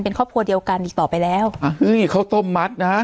เป็นครอบครัวเดียวกันอีกต่อไปแล้วอ่าเฮ้ยข้าวต้มมัดนะฮะ